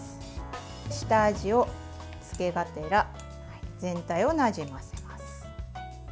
下味をつけがてら全体をなじませます。